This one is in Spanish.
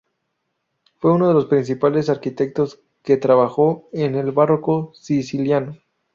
Fue uno de los principales arquitectos que trabajó en el barroco siciliano.